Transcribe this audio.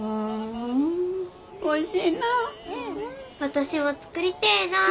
私も作りてえなあ。